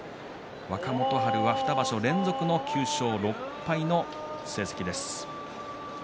若元春は２場所連続の９勝６敗の成績です。